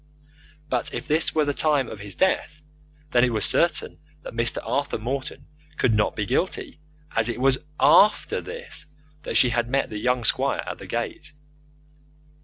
But if this were the time of his death, then it was certain that Mr. Arthur Morton could not be guilty, as it was AFTER this that she had met the young squire at the gate.